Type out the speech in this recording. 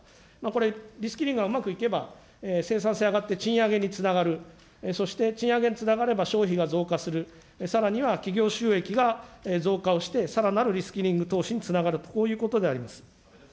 これ、リスキリングがうまくいけば、生産性上がって、賃上げにつながる、そして賃上げにつながれば消費が増加する、さらには企業収益が増加をして、さらなるリ・スキリング投資につながると、こういうことでございます。